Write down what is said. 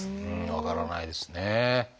分からないですね。